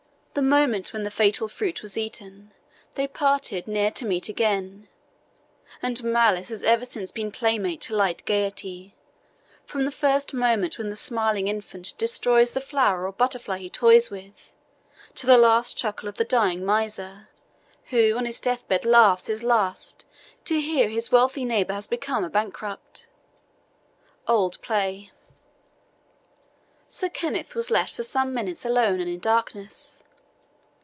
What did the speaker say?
The moment when the fatal fruit was eaten, They parted ne'er to meet again; and Malice Has ever since been playmate to light Gaiety, From the first moment when the smiling infant Destroys the flower or butterfly he toys with, To the last chuckle of the dying miser, Who on his deathbed laughs his last to hear His wealthy neighbour has become a bankrupt. OLD PLAY. Sir Kenneth was left for some minutes alone and in darkness.